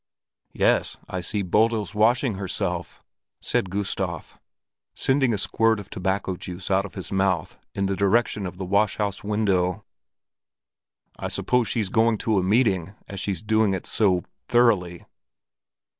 "Yes, I see Bodil's washing herself," said Gustav, sending a squirt of tobacco juice out of his mouth in the direction of the wash house window. "I suppose she's going to meeting, as she's doing it so thoroughly."